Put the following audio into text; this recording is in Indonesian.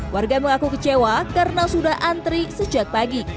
warga mengaku kecewa karena sudah antri sejak pagi